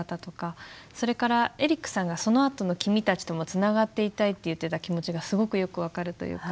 それからエリックさんがそのあとの「君たちともつながっていたい」って言ってた気持ちがすごくよく分かるというか。